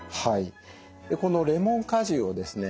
このレモン果汁をですね